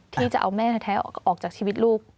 ที่จะเอาแม่แท้ออกจากชีวิตลูก